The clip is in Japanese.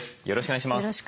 よろしくお願いします。